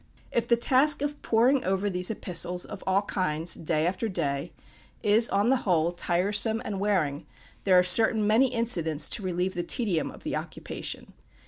If the task of poring over these epistles of all kinds, day after day, is, on the whole, tiresome and wearing, there are certainly many incidents to relieve the tedium of the occupation.